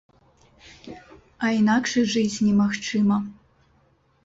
А інакш і жыць немагчыма.